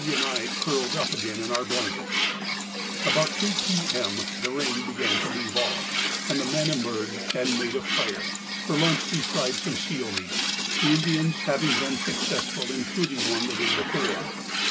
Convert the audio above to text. and I curled up again in our blankets. About 2 P.M. the rain began to leave off, and the men emerged and made a fire. For lunch we fried some seal meat, the Indians having been successful in shooting one the day before.